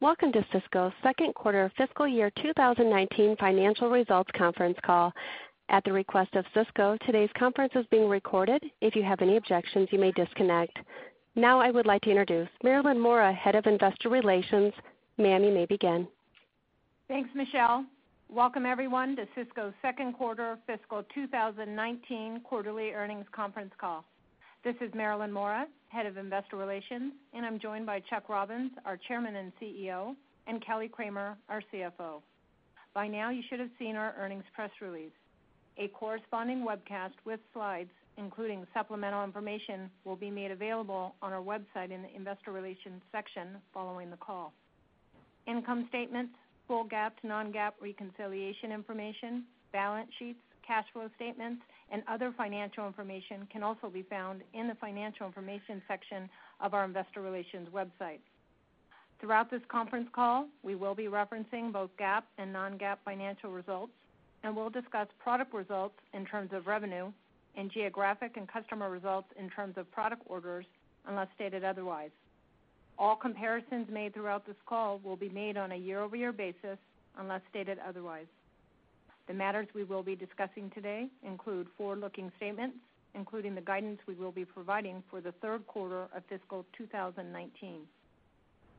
Welcome to Cisco's second quarter fiscal year 2019 financial results conference call. At the request of Cisco, today's conference is being recorded. If you have any objections, you may disconnect. Now, I would like to introduce Marilyn Mora, Head of Investor Relations. Ma'am, you may begin. Thanks, Michelle. Welcome, everyone, to Cisco's second quarter fiscal 2019 quarterly earnings conference call. This is Marilyn Mora, Head of Investor Relations, and I'm joined by Chuck Robbins, our Chairman and CEO, and Kelly Kramer, our CFO. By now, you should have seen our earnings press release. A corresponding webcast with slides, including supplemental information, will be made available on our website in the investor relations section following the call. Income statements, full GAAP to non-GAAP reconciliation information, balance sheets, cash flow statements, and other financial information can also be found in the financial information section of our investor relations website. Throughout this conference call, we will be referencing both GAAP and non-GAAP financial results, and we'll discuss product results in terms of revenue and geographic and customer results in terms of product orders, unless stated otherwise. All comparisons made throughout this call will be made on a year-over-year basis, unless stated otherwise. The matters we will be discussing today include forward-looking statements, including the guidance we will be providing for the third quarter of fiscal 2019.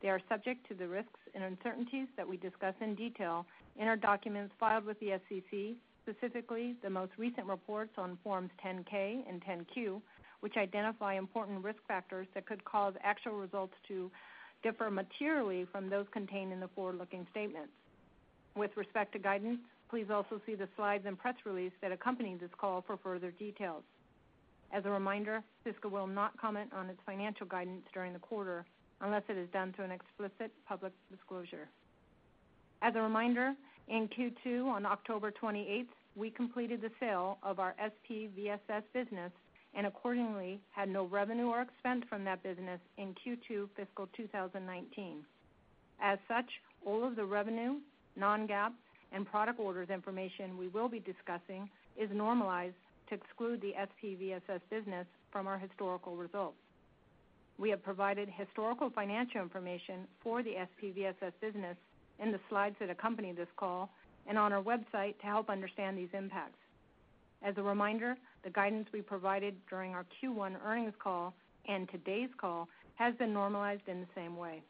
They are subject to the risks and uncertainties that we discuss in detail in our documents filed with the SEC, specifically the most recent reports on forms 10-K and 10-Q, which identify important risk factors that could cause actual results to differ materially from those contained in the forward-looking statements. With respect to guidance, please also see the slides and press release that accompany this call for further details. As a reminder, Cisco will not comment on its financial guidance during the quarter unless it is done through an explicit public disclosure. As a reminder, in Q2 on October 28th, we completed the sale of our SPVSS business and accordingly had no revenue or expense from that business in Q2 fiscal 2019. As such, all of the revenue, non-GAAP, and product orders information we will be discussing is normalized to exclude the SPVSS business from our historical results. We have provided historical financial information for the SPVSS business in the slides that accompany this call and on our website to help understand these impacts. As a reminder, the guidance we provided during our Q1 earnings call and today's call has been normalized in the same way.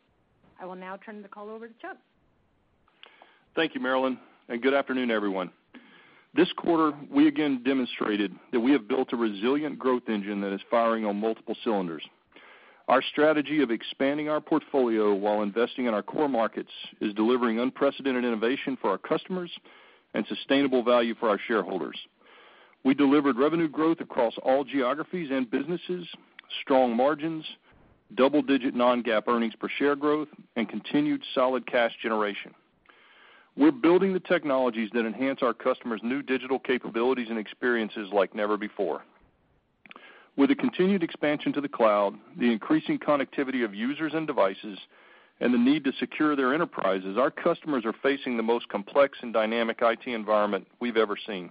I will now turn the call over to Chuck. Thank you, Marilyn, and good afternoon, everyone. This quarter, we again demonstrated that we have built a resilient growth engine that is firing on multiple cylinders. Our strategy of expanding our portfolio while investing in our core markets is delivering unprecedented innovation for our customers and sustainable value for our shareholders. We delivered revenue growth across all geographies and businesses, strong margins, double-digit non-GAAP earnings per share growth, and continued solid cash generation. We're building the technologies that enhance our customers' new digital capabilities and experiences like never before. With the continued expansion to the cloud, the increasing connectivity of users and devices, and the need to secure their enterprises, our customers are facing the most complex and dynamic IT environment we've ever seen.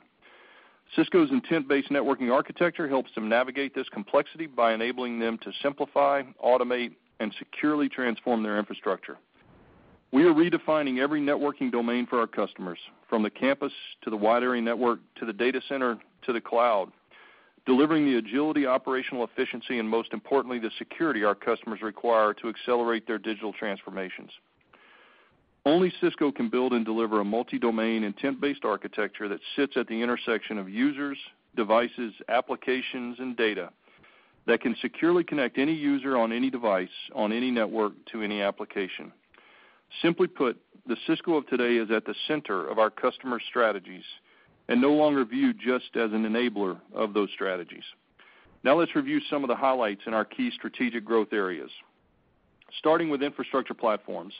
Cisco's intent-based networking architecture helps them navigate this complexity by enabling them to simplify, automate, and securely transform their infrastructure. We are redefining every networking domain for our customers, from the campus to the wide area network, to the data center, to the cloud, delivering the agility, operational efficiency, and most importantly, the security our customers require to accelerate their digital transformations. Only Cisco can build and deliver a multi-domain intent-based architecture that sits at the intersection of users, devices, applications, and data that can securely connect any user on any device on any network to any application. Simply put, the Cisco of today is at the center of our customers' strategies and no longer viewed just as an enabler of those strategies. Let's review some of the highlights in our key strategic growth areas. Starting with infrastructure platforms,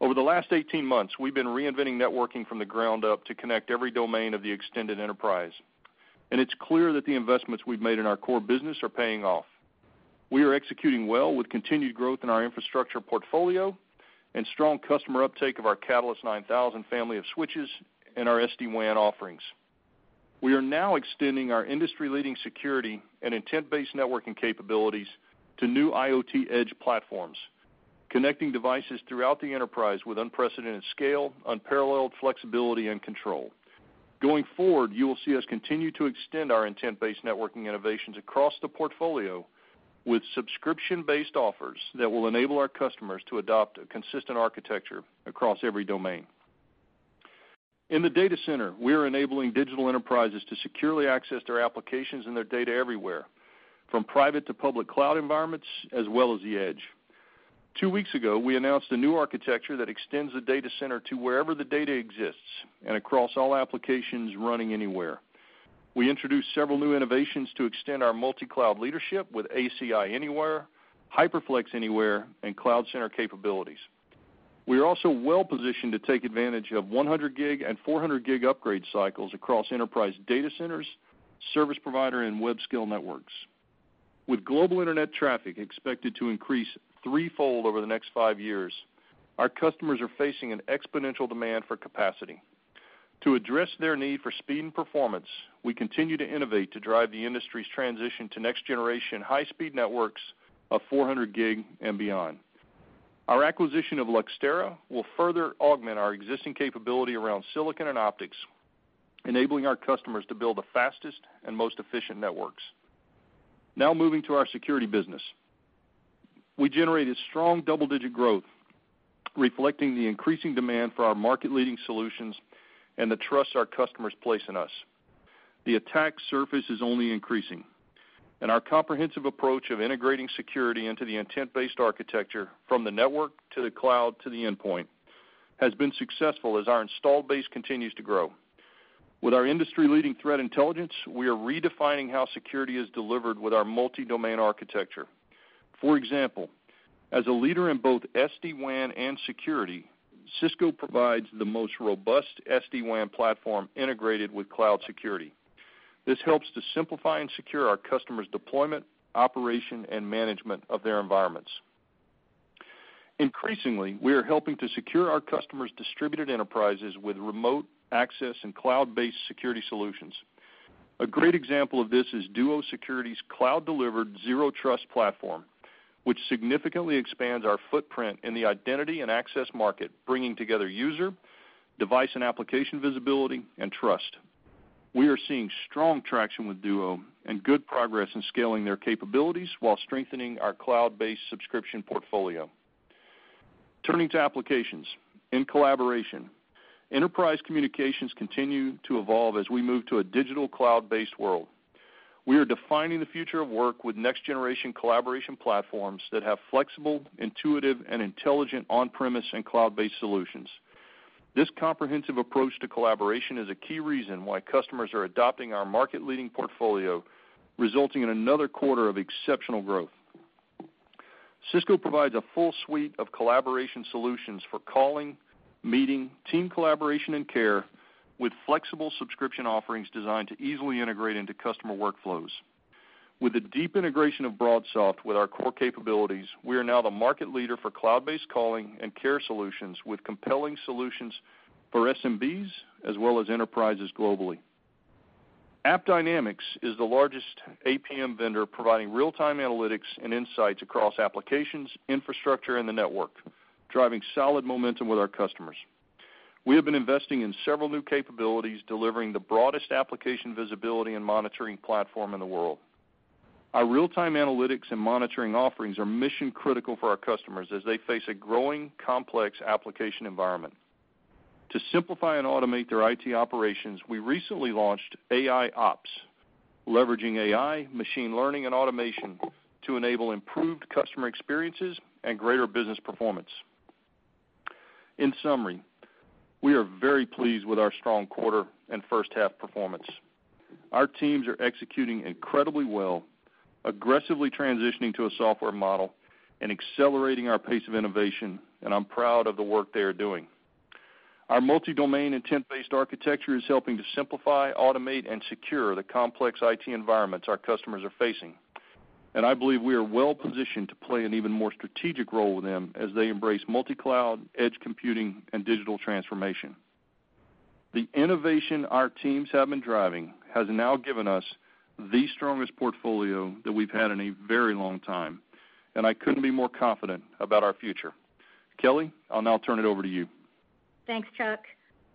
over the last 18 months, we've been reinventing networking from the ground up to connect every domain of the extended enterprise, and it's clear that the investments we've made in our core business are paying off. We are executing well with continued growth in our infrastructure portfolio and strong customer uptake of our Catalyst 9000 family of switches and our SD-WAN offerings. We are now extending our industry-leading security and intent-based networking capabilities to new IoT Edge platforms, connecting devices throughout the enterprise with unprecedented scale, unparalleled flexibility, and control. Going forward, you will see us continue to extend our intent-based networking innovations across the portfolio with subscription-based offers that will enable our customers to adopt a consistent architecture across every domain. In the data center, we are enabling digital enterprises to securely access their applications and their data everywhere, from private to public cloud environments, as well as the edge. Two weeks ago, we announced a new architecture that extends the data center to wherever the data exists and across all applications running anywhere. We introduced several new innovations to extend our multi-cloud leadership with ACI Anywhere, HyperFlex Anywhere, and CloudCenter capabilities. We are also well positioned to take advantage of 100 gig and 400 gig upgrade cycles across enterprise data centers, service provider, and web scale networks. With global internet traffic expected to increase threefold over the next five years, our customers are facing an exponential demand for capacity. To address their need for speed and performance, we continue to innovate to drive the industry's transition to next generation high-speed networks of 400 gig and beyond. Our acquisition of Luxtera will further augment our existing capability around silicon and optics, enabling our customers to build the fastest and most efficient networks. Now moving to our security business. We generated strong double-digit growth, reflecting the increasing demand for our market-leading solutions and the trust our customers place in us. The attack surface is only increasing, and our comprehensive approach of integrating security into the intent-based architecture from the network to the cloud to the endpoint has been successful as our installed base continues to grow. With our industry-leading threat intelligence, we are redefining how security is delivered with our multi-domain architecture. For example, as a leader in both SD-WAN and security, Cisco provides the most robust SD-WAN platform integrated with cloud security. This helps to simplify and secure our customers' deployment, operation, and management of their environments. Increasingly, we are helping to secure our customers' distributed enterprises with remote access and cloud-based security solutions. A great example of this is Duo Security's cloud-delivered zero trust platform, which significantly expands our footprint in the identity and access market, bringing together user, device and application visibility, and trust. We are seeing strong traction with Duo and good progress in scaling their capabilities while strengthening our cloud-based subscription portfolio. Turning to applications. In collaboration, enterprise communications continue to evolve as we move to a digital cloud-based world. We are defining the future of work with next generation collaboration platforms that have flexible, intuitive, and intelligent on-premise and cloud-based solutions. This comprehensive approach to collaboration is a key reason why customers are adopting our market-leading portfolio, resulting in another quarter of exceptional growth. Cisco provides a full suite of collaboration solutions for calling, meeting, team collaboration, and care, with flexible subscription offerings designed to easily integrate into customer workflows. With the deep integration of BroadSoft with our core capabilities, we are now the market leader for cloud-based calling and care solutions with compelling solutions for SMBs as well as enterprises globally. AppDynamics is the largest APM vendor providing real-time analytics and insights across applications, infrastructure, and the network, driving solid momentum with our customers. We have been investing in several new capabilities, delivering the broadest application visibility and monitoring platform in the world. Our real-time analytics and monitoring offerings are mission-critical for our customers as they face a growing complex application environment. To simplify and automate their IT operations, we recently launched AIOps, leveraging AI, machine learning, and automation to enable improved customer experiences and greater business performance. In summary, we are very pleased with our strong quarter and first half performance. Our teams are executing incredibly well, aggressively transitioning to a software model, and accelerating our pace of innovation, and I'm proud of the work they are doing. Our multi-domain intent-based architecture is helping to simplify, automate, and secure the complex IT environments our customers are facing, and I believe we are well-positioned to play an even more strategic role with them as they embrace multi-cloud, edge computing, and digital transformation. The innovation our teams have been driving has now given us the strongest portfolio that we've had in a very long time, and I couldn't be more confident about our future. Kelly, I'll now turn it over to you. Thanks, Chuck.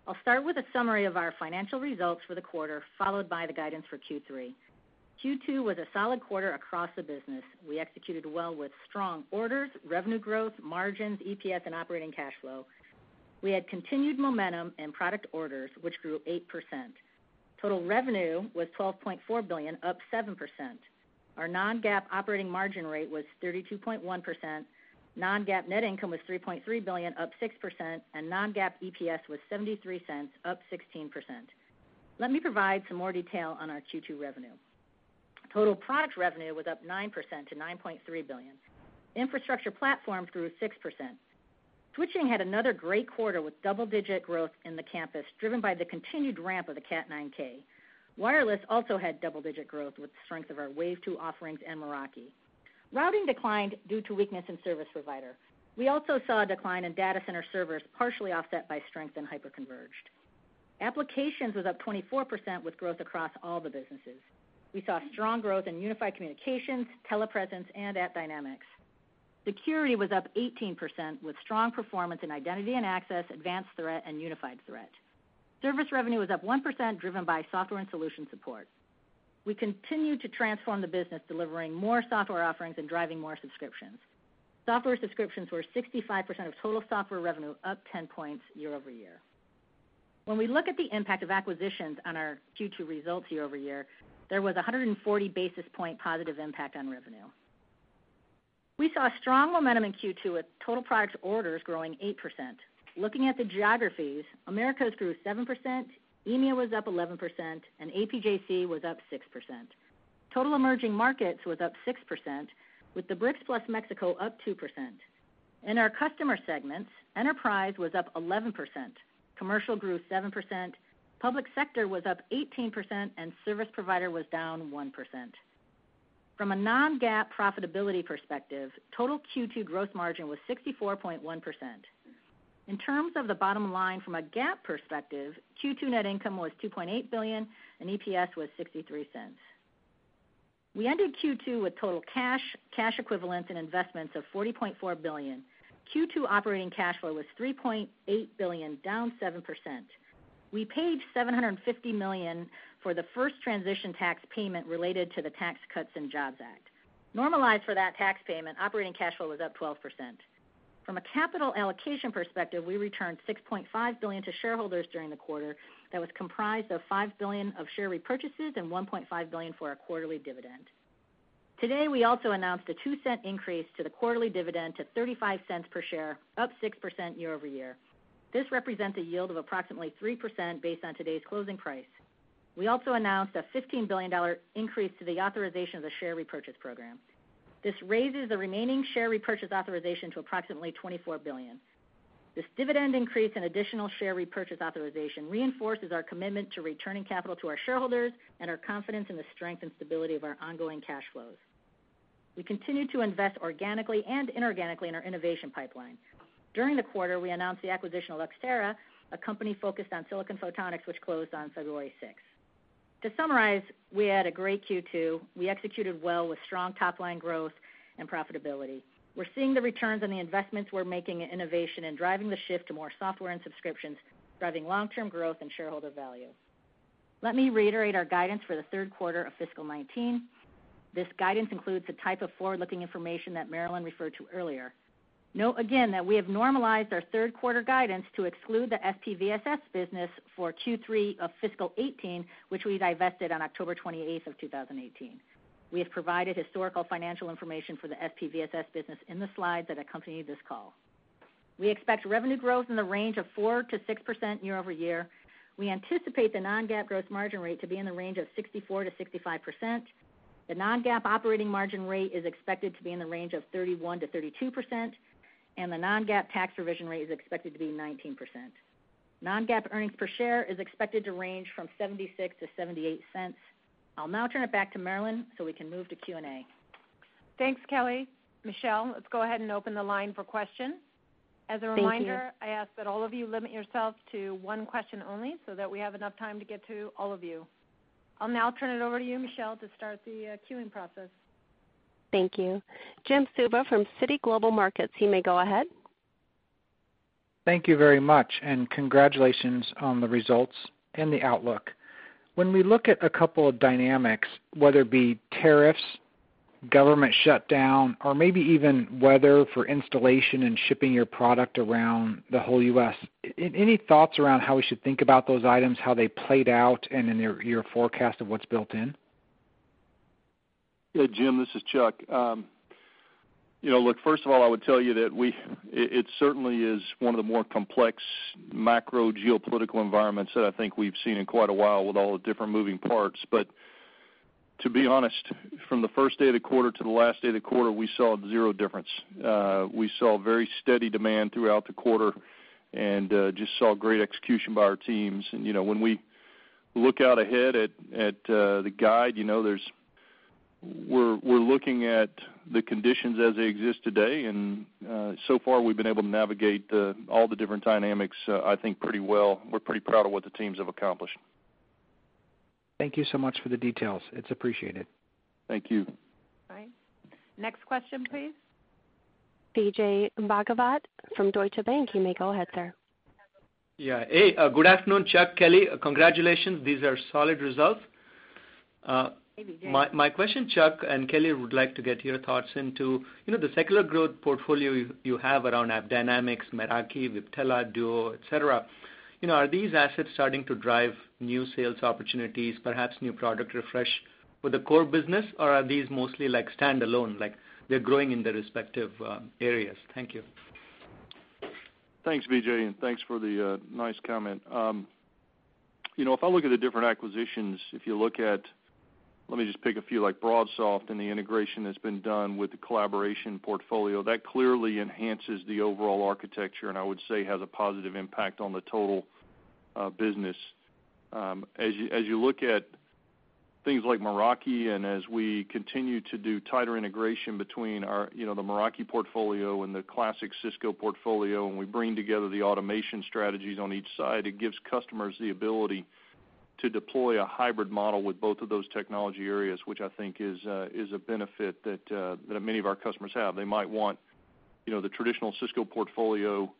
I'll start with a summary of our financial results for the quarter, followed by the guidance for Q3. Q2 was a solid quarter across the business. We executed well with strong orders, revenue growth, margins, EPS, and operating cash flow. We had continued momentum in product orders, which grew 8%. Total revenue was $12.4 billion, up 7%. Our non-GAAP operating margin rate was 32.1%. Non-GAAP net income was $3.3 billion, up 6%, and non-GAAP EPS was $0.73, up 16%. Let me provide some more detail on our Q2 revenue. Total product revenue was up 9% to $9.3 billion. Infrastructure platform grew 6%. Switching had another great quarter with double-digit growth in the campus, driven by the continued ramp of the Cat 9K. Wireless also had double-digit growth with the strength of our Wave 2 offerings and Meraki. Routing declined due to weakness in service provider. We also saw a decline in data center servers, partially offset by strength in hyperconverged. Applications was up 24% with growth across all the businesses. We saw strong growth in unified communications, telepresence, and AppDynamics. Security was up 18% with strong performance in identity and access, advanced threat, and unified threat. Service revenue was up 1%, driven by software and solution support. We continue to transform the business, delivering more software offerings and driving more subscriptions. Software subscriptions were 65% of total software revenue, up 10 points year-over-year. When we look at the impact of acquisitions on our Q2 results year-over-year, there was 140 basis point positive impact on revenue. We saw strong momentum in Q2 with total product orders growing 8%. Looking at the geographies, Americas grew 7%, EMEA was up 11%, and APJC was up 6%. Total emerging markets was up 6%, with the BRICM up 2%. In our customer segments, enterprise was up 11%, commercial grew 7%, public sector was up 18%, and service provider was down 1%. From a non-GAAP profitability perspective, total Q2 gross margin was 64.1%. In terms of the bottom line from a GAAP perspective, Q2 net income was $2.8 billion and EPS was $0.63. We ended Q2 with total cash equivalents, and investments of $40.4 billion. Q2 operating cash flow was $3.8 billion, down 7%. We paid $750 million for the first transition tax payment related to the Tax Cuts and Jobs Act. Normalized for that tax payment, operating cash flow was up 12%. From a capital allocation perspective, we returned $6.5 billion to shareholders during the quarter. That was comprised of $5 billion of share repurchases and $1.5 billion for our quarterly dividend. Today, we also announced a $0.02 increase to the quarterly dividend to $0.35 per share, up 6% year-over-year. This represents a yield of approximately 3% based on today's closing price. We also announced a $15 billion increase to the authorization of the share repurchase program. This raises the remaining share repurchase authorization to approximately $24 billion. This dividend increase and additional share repurchase authorization reinforces our commitment to returning capital to our shareholders and our confidence in the strength and stability of our ongoing cash flows. We continue to invest organically and inorganically in our innovation pipeline. During the quarter, we announced the acquisition of Luxtera, a company focused on silicon photonics, which closed on February 6th. To summarize, we had a great Q2. We executed well with strong top-line growth and profitability. We're seeing the returns on the investments we're making in innovation and driving the shift to more software and subscriptions, driving long-term growth and shareholder value. Let me reiterate our guidance for the third quarter of fiscal 2019. This guidance includes the type of forward-looking information that Marilyn referred to earlier. Note again that we have normalized our third quarter guidance to exclude the SPVSS business for Q3 of fiscal 2018, which we divested on October 28th of 2018. We have provided historical financial information for the SPVSS business in the slides that accompany this call. We expect revenue growth in the range of 4%-6% year-over-year. We anticipate the non-GAAP gross margin rate to be in the range of 64%-65%. The non-GAAP operating margin rate is expected to be in the range of 31%-32%. The non-GAAP tax provision rate is expected to be 19%. Non-GAAP earnings per share is expected to range from $0.76-$0.78. I'll now turn it back to Marilyn so we can move to Q&A. Thanks, Kelly. Michelle, let's go ahead and open the line for questions. Thank you. As a reminder, I ask that all of you limit yourselves to one question only so that we have enough time to get to all of you. I'll now turn it over to you, Michelle, to start the queuing process. Thank you. Jim Suva from Citigroup Global Markets, you may go ahead. Thank you very much. Congratulations on the results and the outlook. When we look at a couple of dynamics, whether it be tariffs, government shutdown, or maybe even weather for installation and shipping your product around the whole U.S., any thoughts around how we should think about those items, how they played out, and in your forecast of what's built in? Yeah, Jim, this is Chuck. Look, first of all, I would tell you that it certainly is one of the more complex macro geopolitical environments that I think we've seen in quite a while with all the different moving parts. To be honest, from the first day of the quarter to the last day of the quarter, we saw zero difference. We saw very steady demand throughout the quarter and just saw great execution by our teams. When we look out ahead at the guide, we're looking at the conditions as they exist today, and so far, we've been able to navigate all the different dynamics, I think pretty well. We're pretty proud of what the teams have accomplished. Thank you so much for the details. It's appreciated. Thank you. All right. Next question, please. Vijay Bhagavath from Deutsche Bank, you may go ahead, sir. Yeah. Hey, good afternoon, Chuck, Kelly. Congratulations, these are solid results. Hey, Vijay. My question, Chuck, and Kelly, would like to get your thoughts into the secular growth portfolio you have around AppDynamics, Meraki, Viptela, Duo, et cetera. Are these assets starting to drive new sales opportunities, perhaps new product refresh for the core business, or are these mostly standalone, like they're growing in their respective areas? Thank you. Thanks, Vijay, and thanks for the nice comment. If I look at the different acquisitions, if you look at, let me just pick a few like BroadSoft and the integration that's been done with the collaboration portfolio, that clearly enhances the overall architecture and I would say has a positive impact on the total business. As you look at things like Meraki and as we continue to do tighter integration between the Meraki portfolio and the classic Cisco portfolio, and we bring together the automation strategies on each side, it gives customers the ability to deploy a hybrid model with both of those technology areas, which I think is a benefit that many of our customers have. They might want the traditional Cisco portfolio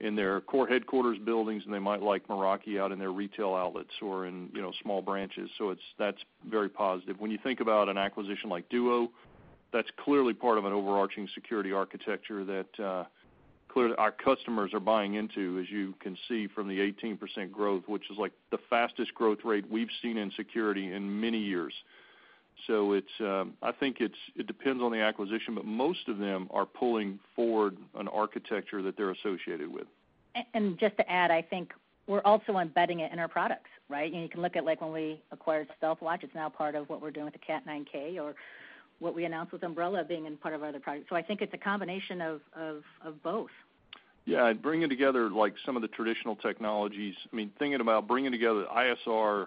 in their core headquarters buildings, and they might like Meraki out in their retail outlets or in small branches. That's very positive. When you think about an acquisition like Duo, that's clearly part of an overarching security architecture that clearly our customers are buying into, as you can see from the 18% growth, which is the fastest growth rate we've seen in security in many years. I think it depends on the acquisition, but most of them are pulling forward an architecture that they're associated with. Just to add, I think we're also embedding it in our products. You can look at when we acquired Stealthwatch, it's now part of what we're doing with the Cat 9K or what we announced with Umbrella being in part of our other products. I think it's a combination of both. Yeah. Bringing together some of the traditional technologies. Thinking about bringing together ISR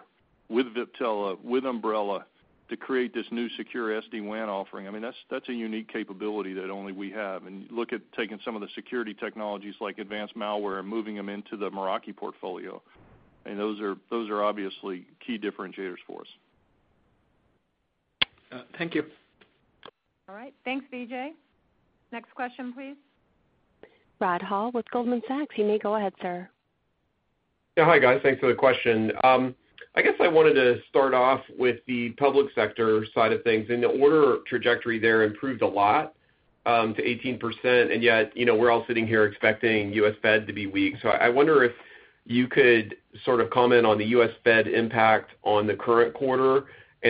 with Viptela, with Umbrella to create this new secure SD-WAN offering. That's a unique capability that only we have. Look at taking some of the security technologies like advanced malware and moving them into the Meraki portfolio. Those are obviously key differentiators for us. Thank you. All right. Thanks, Vijay. Next question, please. Rod Hall with Goldman Sachs. You may go ahead, sir. Hi, guys. Thanks for the question. I guess I wanted to start off with the public sector side of things, the order trajectory there improved a lot, to 18%, yet, we're all sitting here expecting U.S. Fed to be weak. I wonder if you could sort of comment on the U.S. Fed impact on the current quarter,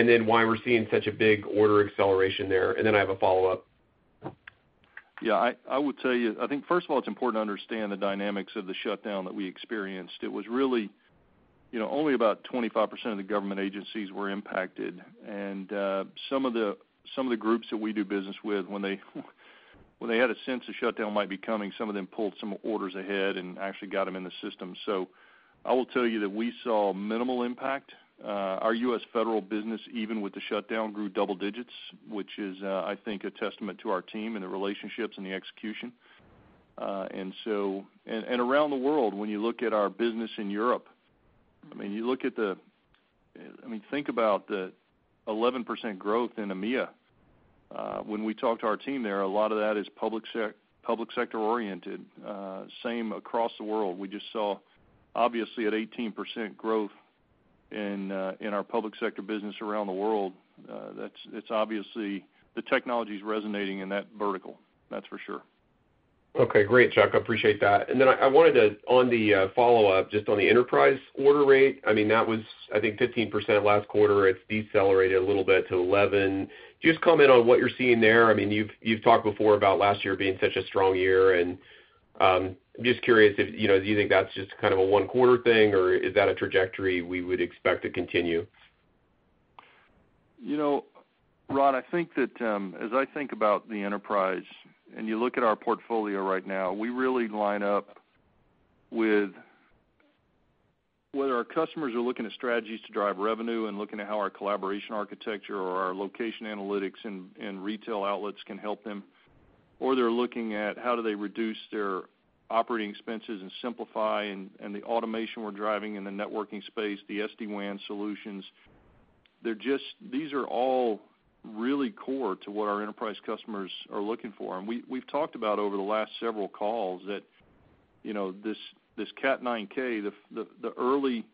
then why we're seeing such a big order acceleration there. Then I have a follow-up. I would tell you, I think first of all, it's important to understand the dynamics of the shutdown that we experienced. It was really only about 25% of the government agencies were impacted. Some of the groups that we do business with, when they had a sense a shutdown might be coming, some of them pulled some orders ahead and actually got them in the system. I will tell you that we saw minimal impact. Our U.S. federal business, even with the shutdown, grew double digits, which is, I think, a testament to our team and the relationships and the execution. Around the world, when you look at our business in Europe, think about the 11% growth in EMEA. When we talk to our team there, a lot of that is public sector oriented. Same across the world. We just saw, obviously, an 18% growth in our public sector business around the world. Obviously, the technology's resonating in that vertical, that's for sure. Okay. Great, Chuck. Appreciate that. I wanted to, on the follow-up, just on the enterprise order rate, that was, I think, 15% last quarter. It's decelerated a little bit to 11%. Just comment on what you're seeing there. You've talked before about last year being such a strong year, and I'm just curious if do you think that's just kind of a one-quarter thing, or is that a trajectory we would expect to continue? Rod, as I think about the enterprise and you look at our portfolio right now, we really line up with whether our customers are looking at strategies to drive revenue and looking at how our collaboration architecture or our location analytics and retail outlets can help them, or they're looking at how do they reduce their operating expenses and simplify and the automation we're driving in the networking space, the SD-WAN solutions. These are all really core to what our enterprise customers are looking for. We've talked about over the last several calls that this Cat 9K, the early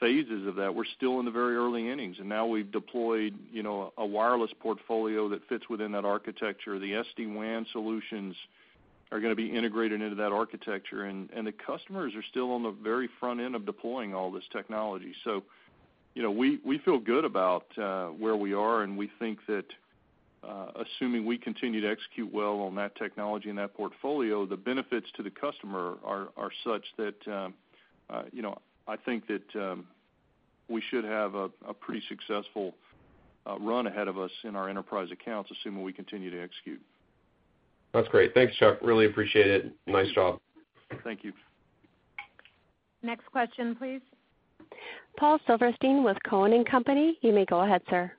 phases of that, we're still in the very early innings. Now we've deployed a wireless portfolio that fits within that architecture. The SD-WAN solutions are going to be integrated into that architecture, and the customers are still on the very front end of deploying all this technology. We feel good about where we are, and we think that assuming we continue to execute well on that technology and that portfolio, the benefits to the customer are such that I think that we should have a pretty successful run ahead of us in our enterprise accounts, assuming we continue to execute. That's great. Thanks, Chuck. Really appreciate it. Nice job. Thank you. Next question, please. Paul Silverstein with Cowen and Company. You may go ahead, sir.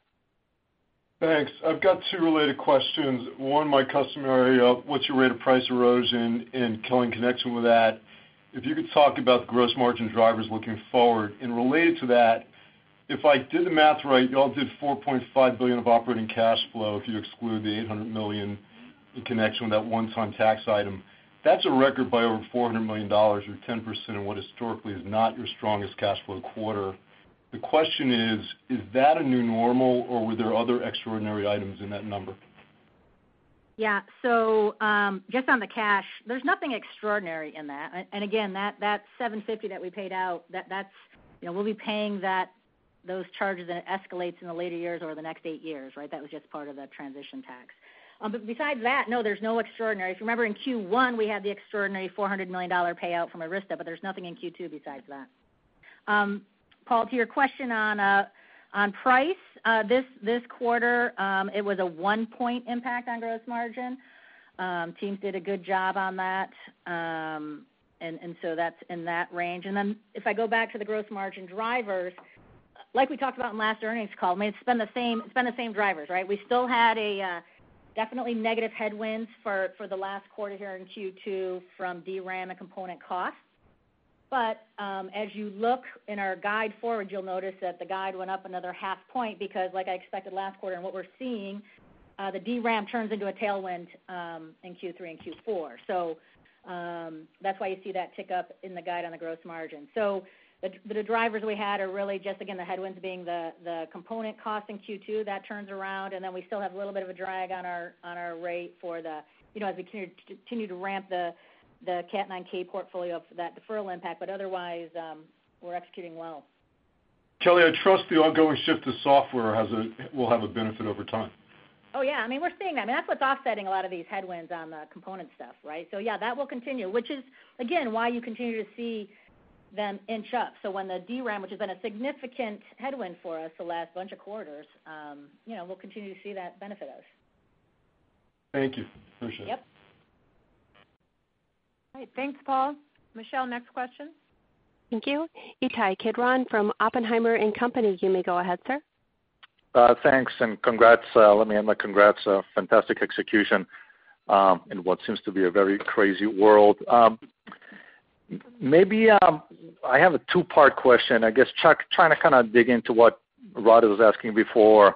Thanks. I've got two related questions. One, my customary of what's your rate of price erosion, and in connection with that, if you could talk about the gross margin drivers looking forward. Related to that, if I did the math right, you all did $4.5 billion of operating cash flow if you exclude the $800 million in connection with that one-time tax item. That's a record by over $400 million or 10% in what historically is not your strongest cash flow quarter. The question is: Is that a new normal, or were there other extraordinary items in that number? Just on the cash, there's nothing extraordinary in that. And again, that $750 that we paid out, we'll be paying those charges, and it escalates in the later years over the next eight years. That was just part of the transition tax. Besides that, no, there's no extraordinary. If you remember in Q1, we had the extraordinary $400 million payout from Arista, but there's nothing in Q2 besides that. Paul, to your question on price, this quarter, it was a one point impact on gross margin. Teams did a good job on that's in that range. If I go back to the gross margin drivers, like we talked about on last earnings call, it's been the same drivers. We still had a definitely negative headwinds for the last quarter here in Q2 from DRAM and component costs. As you look in our guide forward, you'll notice that the guide went up another half point because like I expected last quarter and what we're seeing, the DRAM turns into a tailwind, in Q3 and Q4. That's why you see that tick up in the guide on the gross margin. The drivers we had are really just, again, the headwinds being the component cost in Q2. That turns around, and then we still have a little bit of a drag on our rate as we continue to ramp the Cat 9K portfolio for that deferral impact. Otherwise, we're executing well. Kelly, I trust the ongoing shift to software will have a benefit over time. Oh, yeah. We're seeing that. That's what's offsetting a lot of these headwinds on the component stuff, right? Yeah, that will continue, which is, again, why you continue to see them inch up. When the DRAM, which has been a significant headwind for us the last bunch of quarters, we'll continue to see that benefit us. Thank you. Appreciate it. Yep. All right. Thanks, Paul. Michelle, next question. Thank you. Ittai Kidron from Oppenheimer & Co.. You may go ahead, sir. Thanks. Let me add my congrats. Fantastic execution in what seems to be a very crazy world. Maybe I have a two-part question. I guess, Chuck, trying to kind of dig into what Rod was asking before.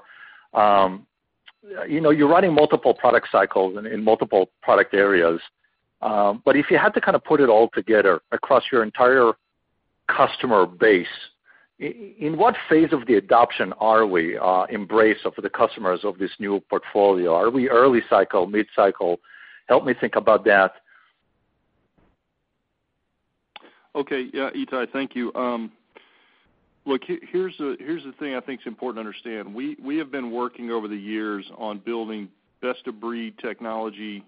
You're running multiple product cycles in multiple product areas. If you had to kind of put it all together across your entire customer base, in what phase of the adoption are we embrace of the customers of this new portfolio? Are we early cycle, mid-cycle? Help me think about that. Okay. Yeah, Ittai, thank you. Look, here's the thing I think is important to understand. We have been working over the years on building best-of-breed technology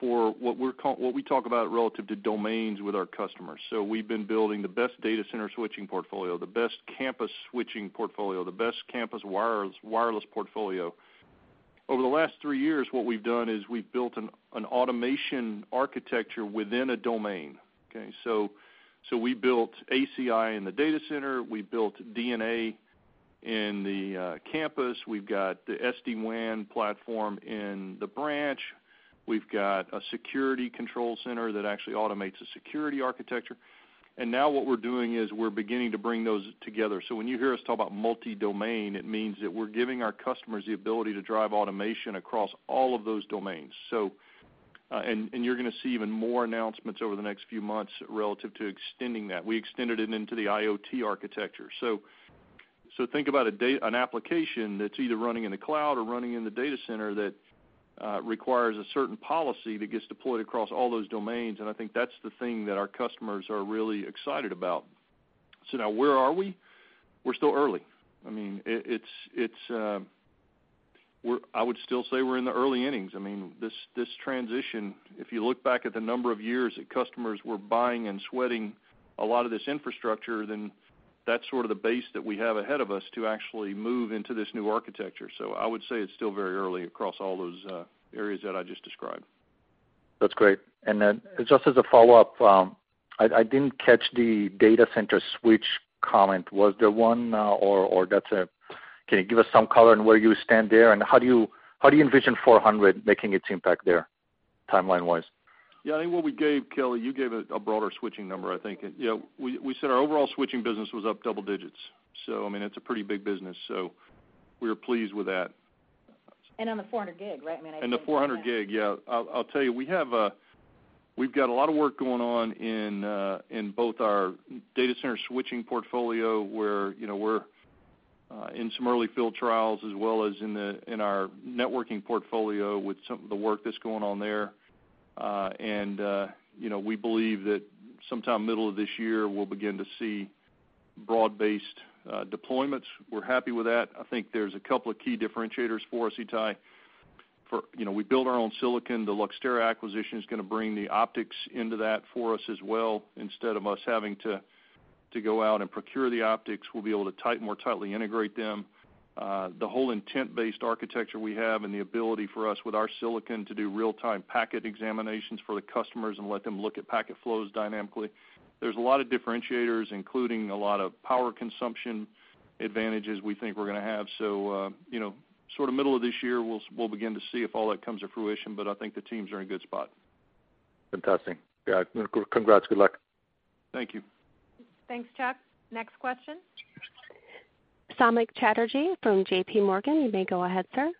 for what we talk about relative to domains with our customers. We've been building the best data center switching portfolio, the best campus switching portfolio, the best campus wireless portfolio. Over the last three years, what we've done is we've built an automation architecture within a domain. Okay? We built ACI in the data center. We built DNA in the campus. We've got the SD-WAN platform in the branch. We've got a security control center that actually automates the security architecture. Now what we're doing is we're beginning to bring those together. When you hear us talk about multi-domain, it means that we're giving our customers the ability to drive automation across all of those domains. You're going to see even more announcements over the next few months relative to extending that. We extended it into the IoT architecture. Think about an application that's either running in the cloud or running in the data center that requires a certain policy that gets deployed across all those domains, I think that's the thing that our customers are really excited about. Now where are we? We're still early. I would still say we're in the early innings. This transition, if you look back at the number of years that customers were buying and sweating a lot of this infrastructure, then that's sort of the base that we have ahead of us to actually move into this new architecture. I would say it's still very early across all those areas that I just described. That's great. Then just as a follow-up, I didn't catch the data center switch comment. Was there one, or that's it? Can you give us some color on where you stand there, and how do you envision 400 making its impact there timeline-wise? Yeah, I think what we gave, Kelly, you gave a broader switching number, I think. We said our overall switching business was up double digits. It's a pretty big business, so we are pleased with that. On the 400 gig, right? I mean, The 400 gig, yeah. I'll tell you, we've got a lot of work going on in both our data center switching portfolio, where we're in some early field trials, as well as in our networking portfolio with some of the work that's going on there. We believe that sometime middle of this year, we'll begin to see broad-based deployments. We're happy with that. I think there's a couple of key differentiators for us, Ittai. We build our own silicon. The Luxtera acquisition is going to bring the optics into that for us as well. Instead of us having to go out and procure the optics, we'll be able to more tightly integrate them. The whole intent-based architecture we have and the ability for us with our silicon to do real-time packet examinations for the customers and let them look at packet flows dynamically. There's a lot of differentiators, including a lot of power consumption advantages we think we're going to have. Sort of middle of this year, we'll begin to see if all that comes to fruition, I think the teams are in a good spot. Fantastic. Yeah, congrats. Good luck. Thank you. Thanks, Chuck. Next question. Samik Chatterjee from JPMorgan. You may go ahead, sir.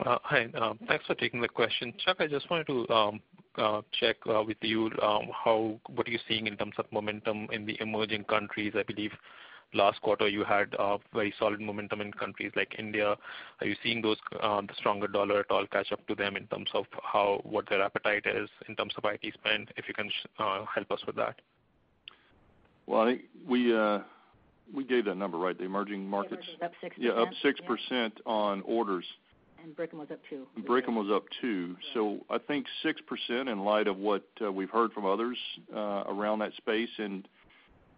Hi. Thanks for taking the question. Chuck, I just wanted to check with you, what are you seeing in terms of momentum in the emerging countries? I believe last quarter you had very solid momentum in countries like India. Are you seeing the stronger dollar at all catch up to them in terms of what their appetite is in terms of IT spend? If you can help us with that. Well, I think we gave that number, right? The emerging markets. Emerging was up 6%, yeah. Yeah, up 6% on orders. BRICM was up 2%. BRICM was up 2%. I think 6% in light of what we've heard from others around that space.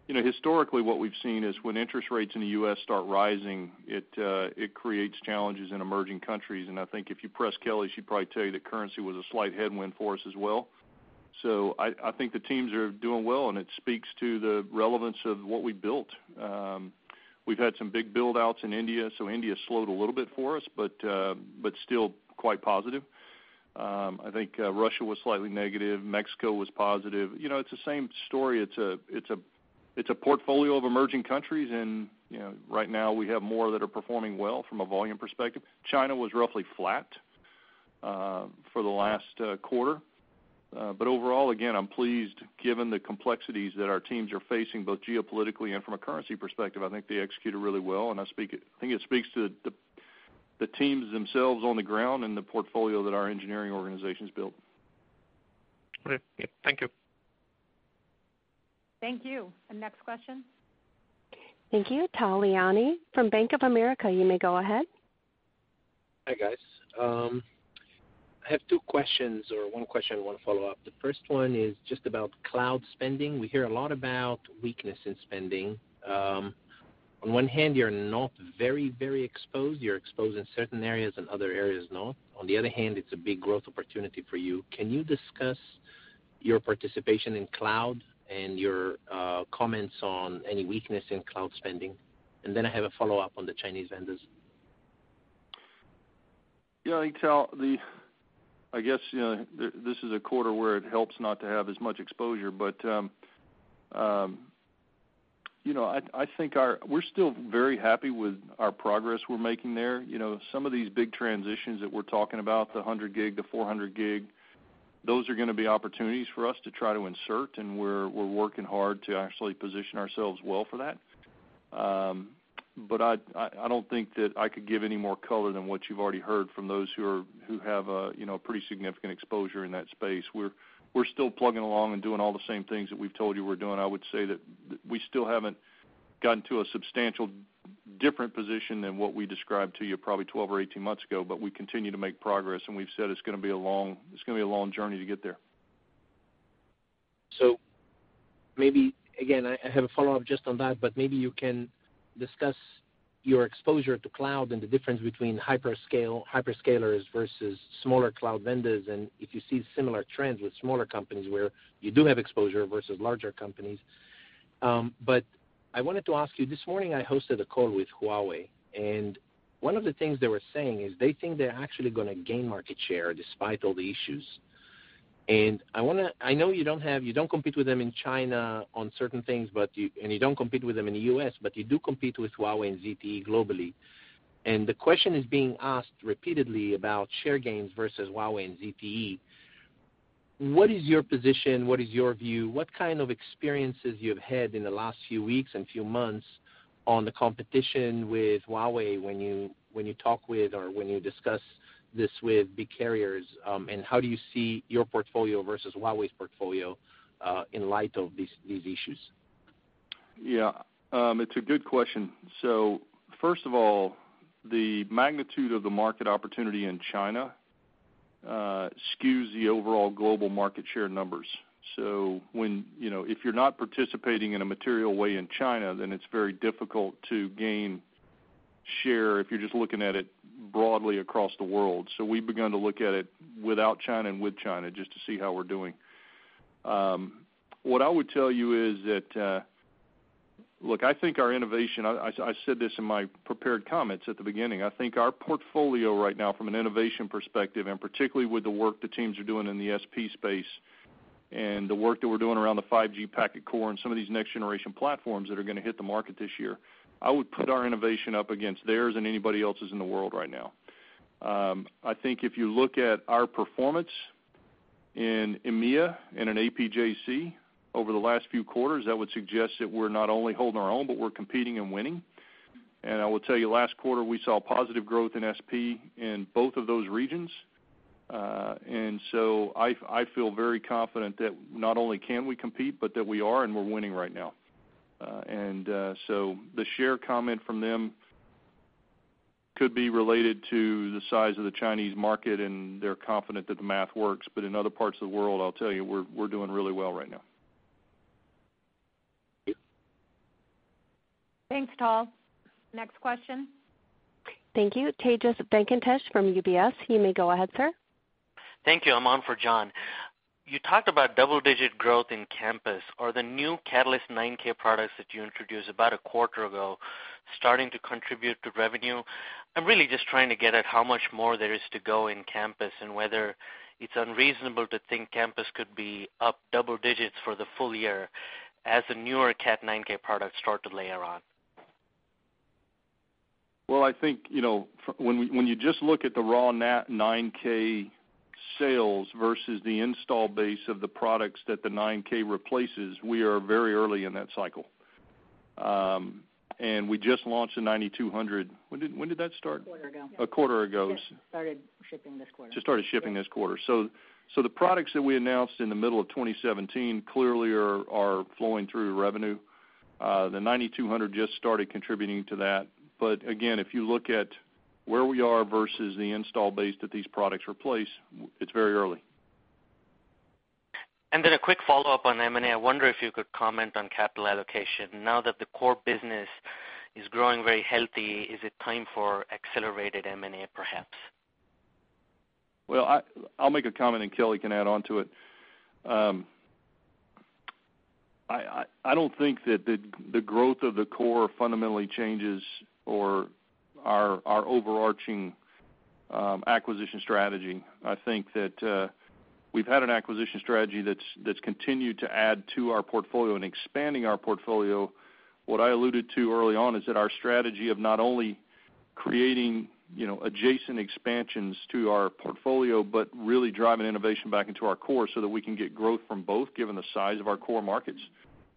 Historically what we've seen is when interest rates in the U.S. start rising, it creates challenges in emerging countries. I think if you press Kelly, she'd probably tell you that currency was a slight headwind for us as well. I think the teams are doing well, and it speaks to the relevance of what we built. We've had some big build-outs in India, so India slowed a little bit for us, but still quite positive. I think Russia was slightly negative. Mexico was positive. It's the same story. It's a portfolio of emerging countries, and right now we have more that are performing well from a volume perspective. China was roughly flat for the last quarter. Overall, again, I'm pleased given the complexities that our teams are facing, both geopolitically and from a currency perspective. I think they executed really well, and I think it speaks to the teams themselves on the ground and the portfolio that our engineering organization's built. Great. Yeah. Thank you. Thank you. Next question. Thank you. Tal Liani from Bank of America, you may go ahead. Hi, guys. I have two questions, or one question and one follow-up. The first one is just about cloud spending. We hear a lot about weakness in spending. On one hand, you're not very exposed. You're exposed in certain areas and other areas not. On the other hand, it's a big growth opportunity for you. Can you discuss your participation in cloud and your comments on any weakness in cloud spending? Then I have a follow-up on the Chinese vendors. Yeah, Tal, I guess, this is a quarter where it helps not to have as much exposure. I think we're still very happy with our progress we're making there. Some of these big transitions that we're talking about, the 100G to 400G, those are going to be opportunities for us to try to insert, and we're working hard to actually position ourselves well for that. I don't think that I could give any more color than what you've already heard from those who have a pretty significant exposure in that space. We're still plugging along and doing all the same things that we've told you we're doing. I would say that we still haven't gotten to a substantial different position than what we described to you probably 12 or 18 months ago, but we continue to make progress. We've said it's going to be a long journey to get there. Maybe, again, I have a follow-up just on that, but maybe you can discuss your exposure to cloud and the difference between hyperscalers versus smaller cloud vendors, and if you see similar trends with smaller companies where you do have exposure versus larger companies. I wanted to ask you, this morning, I hosted a call with Huawei, and one of the things they were saying is they think they're actually going to gain market share despite all the issues. I know you don't compete with them in China on certain things, and you don't compete with them in the U.S., but you do compete with Huawei and ZTE globally. The question is being asked repeatedly about share gains versus Huawei and ZTE. What is your position? What is your view? What kind of experiences you've had in the last few weeks and few months on the competition with Huawei when you talk with or when you discuss this with big carriers? How do you see your portfolio versus Huawei's portfolio, in light of these issues? Yeah. It's a good question. First of all, the magnitude of the market opportunity in China skews the overall global market share numbers. If you're not participating in a material way in China, then it's very difficult to gain share if you're just looking at it broadly across the world. We've begun to look at it without China and with China just to see how we're doing. What I would tell you is that, look, I think our innovation, I said this in my prepared comments at the beginning, I think our portfolio right now from an innovation perspective, and particularly with the work the teams are doing in the SP space and the work that we're doing around the 5G packet core and some of these next-generation platforms that are going to hit the market this year, I would put our innovation up against theirs and anybody else's in the world right now. I think if you look at our performance in EMEA and in APJC over the last few quarters, that would suggest that we're not only holding our own, but we're competing and winning. I will tell you, last quarter, we saw positive growth in SP in both of those regions. I feel very confident that not only can we compete, but that we are, and we're winning right now. The share comment from them could be related to the size of the Chinese market, and they're confident that the math works. In other parts of the world, I'll tell you, we're doing really well right now. Yep. Thanks, Tal. Next question. Thank you. Tejas Venkatesh from UBS. You may go ahead, sir. Thank you. I'm on for John. You talked about double-digit growth in campus. Are the new Catalyst 9K products that you introduced about a quarter ago starting to contribute to revenue? I'm really just trying to get at how much more there is to go in campus, and whether it's unreasonable to think campus could be up double digits for the full year as the newer Cat 9K products start to layer on. Well, I think, when you just look at the raw Cat 9K sales versus the install base of the products that the 9K replaces, we are very early in that cycle. We just launched the 9200. When did that start? A quarter ago. Just started shipping this quarter. Just started shipping this quarter. The products that we announced in the middle of 2017 clearly are flowing through to revenue. The Catalyst 9200 just started contributing to that. Again, if you look at where we are versus the install base that these products replace, it's very early. A quick follow-up on M&A. I wonder if you could comment on capital allocation. Now that the core business is growing very healthy, is it time for accelerated M&A, perhaps? Well, I'll make a comment, and Kelly can add onto it. I don't think that the growth of the core fundamentally changes our overarching acquisition strategy. I think that we've had an acquisition strategy that's continued to add to our portfolio and expanding our portfolio. What I alluded to early on is that our strategy of not only creating adjacent expansions to our portfolio, but really driving innovation back into our core so that we can get growth from both, given the size of our core markets.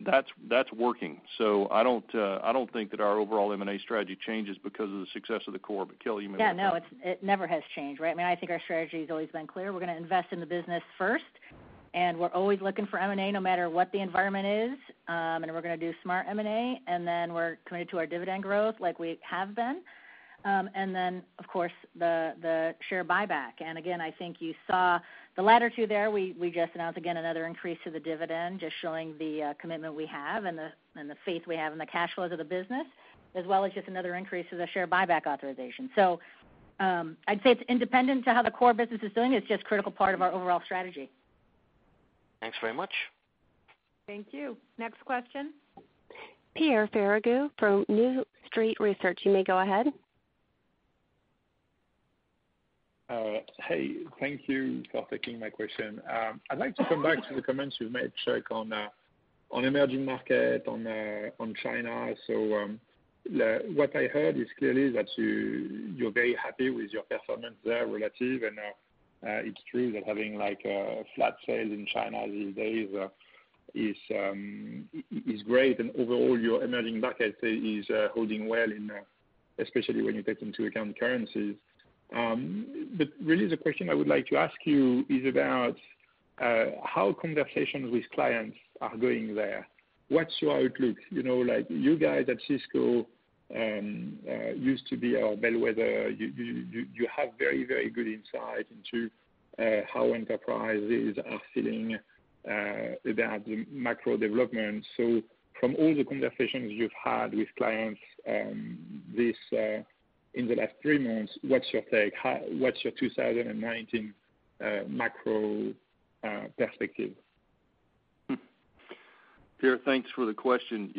That's working. I don't think that our overall M&A strategy changes because of the success of the core. Kelly, you may. Yeah, no, it never has changed, right? I think our strategy has always been clear. We're going to invest in the business first. We're always looking for M&A no matter what the environment is. We're going to do smart M&A. Then we're committed to our dividend growth like we have been. Then, of course, the share buyback. Again, I think you saw the latter two there. We just announced again another increase to the dividend, just showing the commitment we have and the faith we have in the cash flows of the business, as well as just another increase to the share buyback authorization. I'd say it's independent to how the core business is doing. It's just a critical part of our overall strategy. Thanks very much. Thank you. Next question. Pierre Ferragu from New Street Research, you may go ahead. Thank you for taking my question. I'd like to come back to the comments you made, Chuck, on emerging market, on China. What I heard is clearly that you're very happy with your performance there relative, and it's true that having flat sales in China these days is great. Overall, your emerging market is holding well, especially when you take into account currencies. Really, the question I would like to ask you is about how conversations with clients are going there. What's your outlook? You guys at Cisco used to be our bellwether. You have very good insight into how enterprises are feeling about the macro development. From all the conversations you've had with clients in the last three months, what's your take? What's your 2019 macro perspective? Pierre, thanks for the question.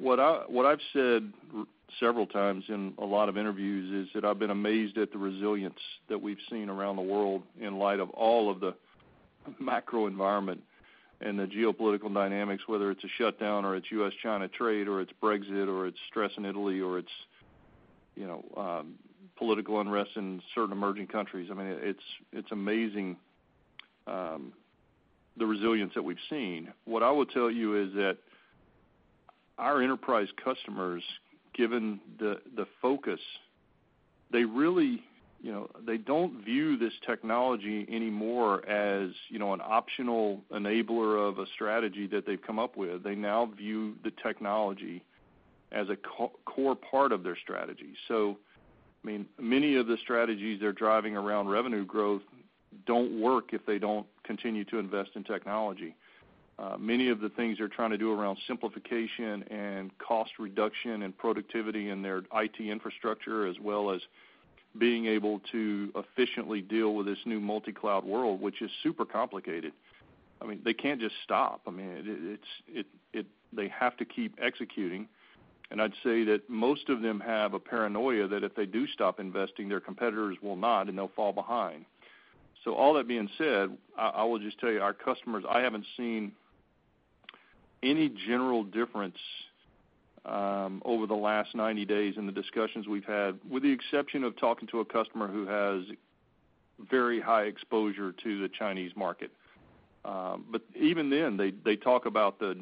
What I've said several times in a lot of interviews is that I've been amazed at the resilience that we've seen around the world in light of all of the macro environment and the geopolitical dynamics, whether it's a shutdown or it's U.S.-China trade, or it's Brexit, or it's stress in Italy, or it's political unrest in certain emerging countries. I mean, it's amazing the resilience that we've seen. What I will tell you is that our enterprise customers, given the focus, they don't view this technology anymore as an optional enabler of a strategy that they've come up with. They now view the technology as a core part of their strategy. Many of the strategies they're driving around revenue growth don't work if they don't continue to invest in technology. Many of the things they're trying to do around simplification and cost reduction and productivity in their IT infrastructure, as well as being able to efficiently deal with this new multi-cloud world, which is super complicated. I mean, they can't just stop. They have to keep executing. I'd say that most of them have a paranoia that if they do stop investing, their competitors will not, and they'll fall behind. All that being said, I will just tell you, our customers, I haven't seen any general difference over the last 90 days in the discussions we've had, with the exception of talking to a customer who has very high exposure to the Chinese market. Even then, they talk about the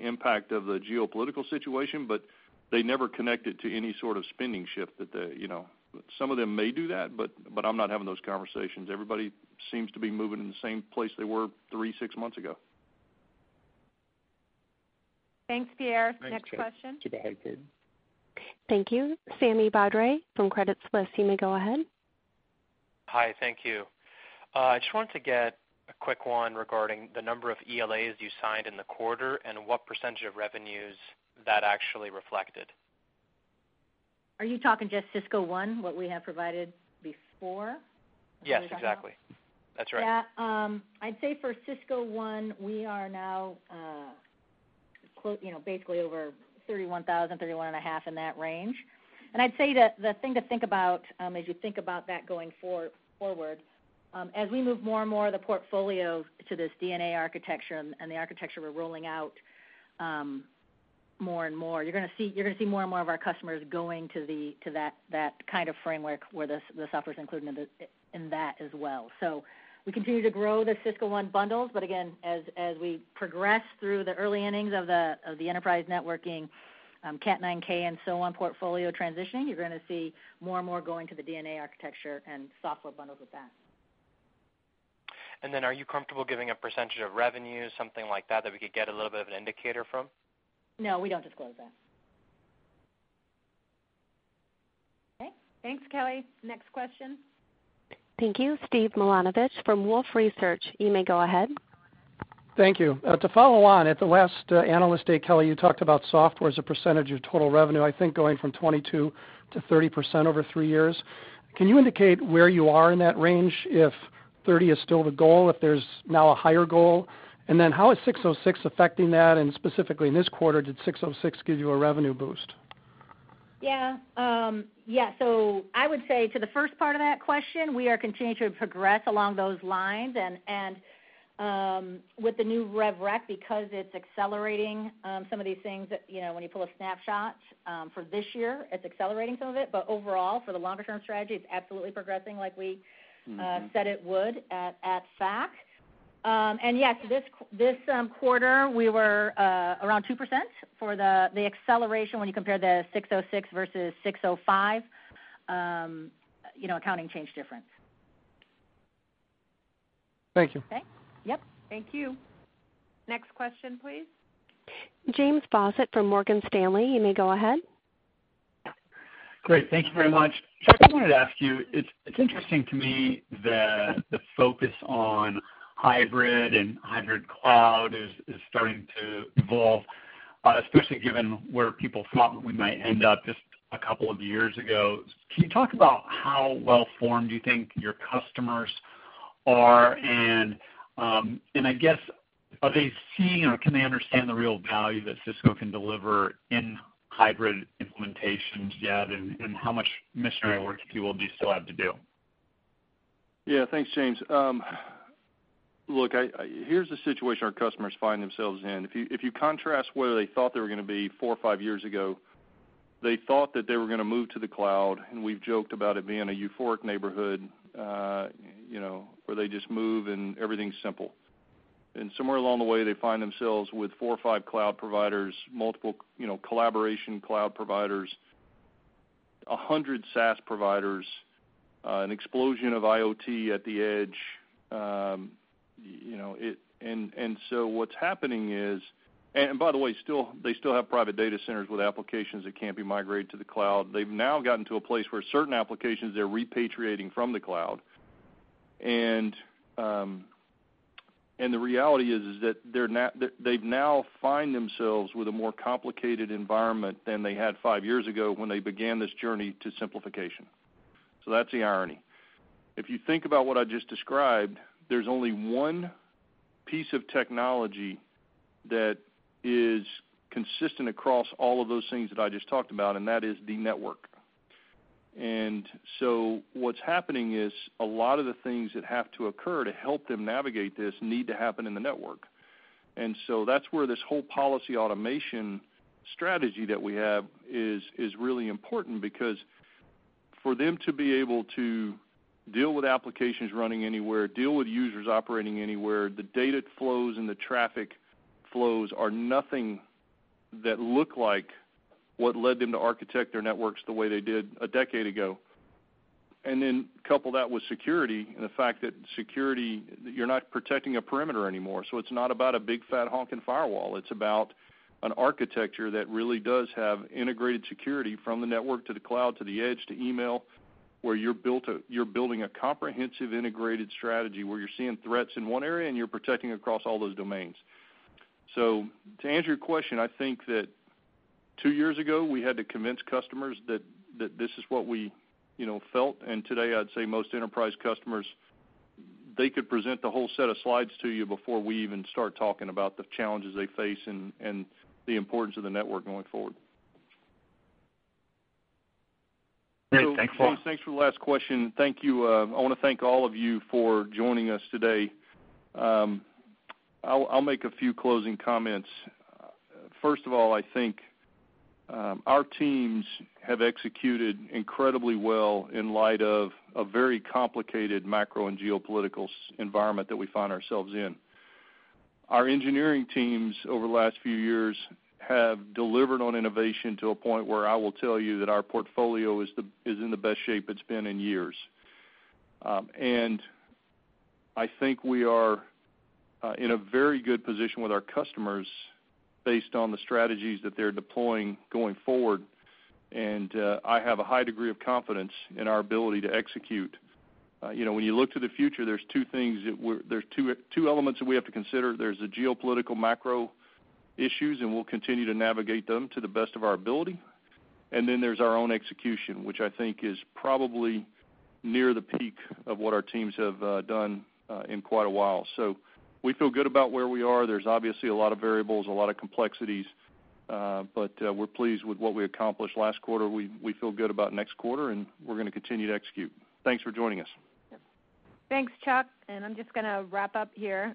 impact of the geopolitical situation, but they never connect it to any sort of spending shift. Some of them may do that, but I'm not having those conversations. Everybody seems to be moving in the same place they were three, six months ago. Thanks, Pierre. Next question. Thanks, Chuck. Thank you. Sami Badri from Credit Suisse. You may go ahead. Hi. Thank you. I just wanted to get a quick one regarding the number of ELAs you signed in the quarter and what percent of revenues that actually reflected. Are you talking just Cisco ONE, what we have provided before? Yes, exactly. That's right. Yeah. I'd say for Cisco ONE, we are now basically over 31,000, 31 and a half in that range. I'd say that the thing to think about as you think about that going forward, as we move more and more of the portfolio to this DNA architecture and the architecture we're rolling out more and more, you're going to see more and more of our customers going to that kind of framework where the software's included in that as well. We continue to grow the Cisco ONE bundles, again, as we progress through the early innings of the enterprise networking Cat 9K and so on portfolio transitioning, you're going to see more and more going to the DNA architecture and software bundles with that. Are you comfortable giving a percentage of revenue, something like that we could get a little bit of an indicator from? No, we don't disclose that. Okay. Thanks, Kelly. Next question. Thank you. Steve Milunovich from Wolfe Research. You may go ahead. Thank you. To follow on, at the last Analyst Day, Kelly, you talked about software as a percentage of total revenue, I think going from 22%-30% over three years. Can you indicate where you are in that range, if 30 is still the goal, if there's now a higher goal? How is 606 affecting that? Specifically in this quarter, did 606 give you a revenue boost? Yeah. I would say to the first part of that question, we are continuing to progress along those lines. With the new rev rec, because it's accelerating some of these things, when you pull a snapshot for this year, it's accelerating some of it. Overall, for the longer-term strategy, it's absolutely progressing like we said it would at Analyst Day. Yes, this quarter, we were around 2% for the acceleration when you compare the 606 versus 605. Accounting change difference. Thank you. Okay. Yep. Thank you. Next question, please. James Faucette from Morgan Stanley, you may go ahead. Great. Thank you very much. Chuck, I wanted to ask you, it's interesting to me that the focus on hybrid and hybrid cloud is starting to evolve, especially given where people thought we might end up just a couple of years ago. Can you talk about how well-formed you think your customers are? I guess, are they seeing or can they understand the real value that Cisco can deliver in hybrid implementations yet, and how much missionary work, if you will, do you still have to do? Yeah. Thanks, James. Look, here's the situation our customers find themselves in. If you contrast where they thought they were going to be four or five years ago, they thought that they were going to move to the cloud, we've joked about it being a euphoric neighborhood where they just move and everything's simple. Somewhere along the way, they find themselves with four or five cloud providers, multiple collaboration cloud providers, 100 SaaS providers, an explosion of IoT at the edge. By the way, they still have private data centers with applications that can't be migrated to the cloud. They've now gotten to a place where certain applications they're repatriating from the cloud. The reality is that they now find themselves with a more complicated environment than they had five years ago when they began this journey to simplification. That's the irony. If you think about what I just described, there's only one piece of technology that is consistent across all of those things that I just talked about, and that is the network. What's happening is a lot of the things that have to occur to help them navigate this need to happen in the network. That's where this whole policy automation strategy that we have is really important because for them to be able to deal with applications running anywhere, deal with users operating anywhere, the data flows and the traffic flows are nothing that look like what led them to architect their networks the way they did a decade ago. Couple that with security and the fact that security, you're not protecting a perimeter anymore. It's not about a big fat honking firewall. It's about an architecture that really does have integrated security from the network to the cloud to the edge to email, where you're building a comprehensive, integrated strategy where you're seeing threats in one area and you're protecting across all those domains. To answer your question, I think that two years ago, we had to convince customers that this is what we felt. Today I'd say most enterprise customers, they could present the whole set of slides to you before we even start talking about the challenges they face and the importance of the network going forward. Great. Thanks a lot. James, thanks for the last question. Thank you. I want to thank all of you for joining us today. I'll make a few closing comments. First of all, I think our teams have executed incredibly well in light of a very complicated macro and geopolitical environment that we find ourselves in. Our engineering teams over the last few years have delivered on innovation to a point where I will tell you that our portfolio is in the best shape it's been in years. I think we are in a very good position with our customers based on the strategies that they're deploying going forward. I have a high degree of confidence in our ability to execute. When you look to the future, there's two elements that we have to consider. There's the geopolitical macro issues, and we'll continue to navigate them to the best of our ability. There's our own execution, which I think is probably near the peak of what our teams have done in quite a while. We feel good about where we are. There's obviously a lot of variables, a lot of complexities. We're pleased with what we accomplished last quarter. We feel good about next quarter, and we're going to continue to execute. Thanks for joining us. Yep. Thanks, Chuck. I'm just going to wrap up here.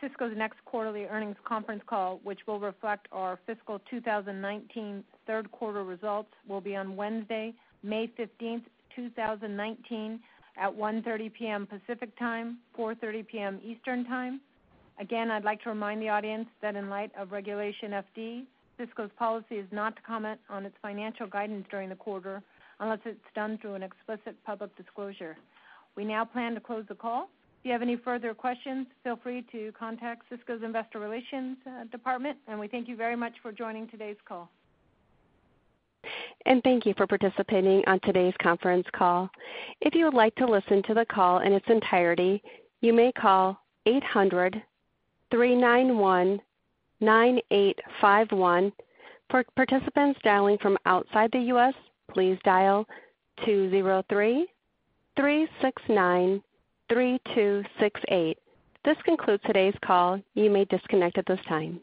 Cisco's next quarterly earnings conference call, which will reflect our fiscal 2019 third quarter results, will be on Wednesday, May 15th, 2019 at 1:30 P.M. Pacific Time, 4:30 P.M. Eastern Time. Again, I'd like to remind the audience that in light of Regulation FD, Cisco's policy is not to comment on its financial guidance during the quarter unless it's done through an explicit public disclosure. We now plan to close the call. If you have any further questions, feel free to contact Cisco's investor relations department, and we thank you very much for joining today's call. Thank you for participating on today's conference call. If you would like to listen to the call in its entirety, you may call 800-391-9851. For participants dialing from outside the U.S., please dial 203-369-3268. This concludes today's call. You may disconnect at this time.